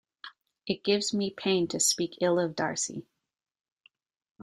It gives me pain to speak ill of Darcy.